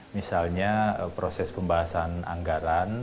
misalnya proses pembahasan anggaran